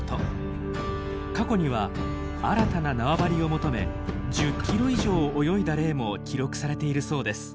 過去には新たな縄張りを求め１０キロ以上泳いだ例も記録されているそうです。